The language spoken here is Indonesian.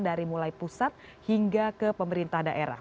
dari mulai pusat hingga ke pemerintah daerah